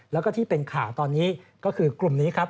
แล้วก็ที่เป็นข่าวตอนนี้ก็คือกลุ่มนี้ครับ